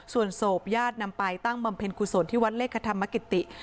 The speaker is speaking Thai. ส่วนศพญาตินำไปตั้งบำเพ็ญกุศลที่วัดเลขธรรมกิติ